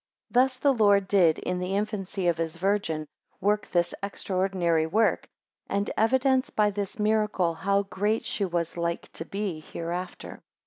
7 Thus the Lord did, in the infancy of his Virgin, work this extraordinary work, and evidence by this miracle how great she was like to be hereafter.